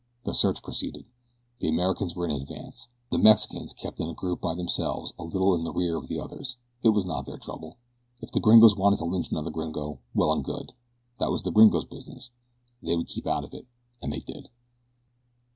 The search proceeded. The Americans were in advance. The Mexicans kept in a group by themselves a little in rear of the others it was not their trouble. If the gringos wanted to lynch another gringo, well and good that was the gringos' business. They would keep out of it, and they did.